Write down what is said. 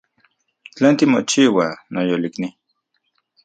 ¿Tlen timochiua, noyolikni?